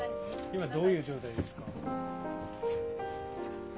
今、どういう状態ですか？